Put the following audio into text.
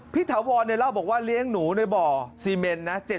ถาวรเล่าบอกว่าเลี้ยงหนูในบ่อซีเมนนะ